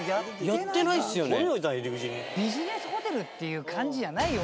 ビジネスホテルっていう感じじゃないよ。